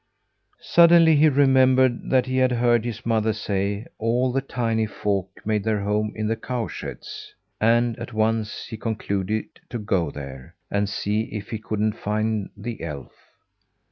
Suddenly he remembered that he had heard his mother say, all the tiny folk made their home in the cowsheds; and, at once, he concluded to go there, and see if he couldn't find the elf.